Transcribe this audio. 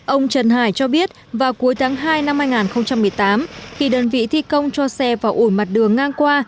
ông trần hải cho biết vào cuối tháng hai năm hai nghìn một mươi tám khi đơn vị thi công cho xe vào ủi mặt đường ngang qua